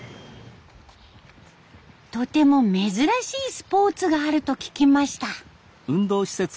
とても珍しいスポーツがあると聞きました。